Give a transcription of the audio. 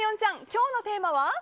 今日のテーマは？